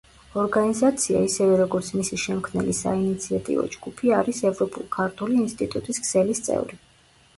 ორგანიზაცია, ისევე როგორც მისი შემქმნელი საინიციატივო ჯგუფი არის „ევროპულ-ქართული ინსტიტუტის“ ქსელის წევრი.